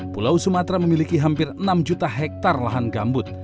pulau sumatera memiliki hampir enam juta hektare lahan gambut